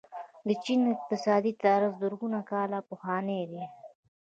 د چین اقتصادي تاریخ زرګونه کاله پخوانی دی.